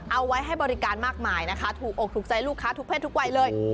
เอาไว้ให้บริการมากมายนะคะถูกอกถูกใจลูกค้าทุกเพศทุกวัยเลย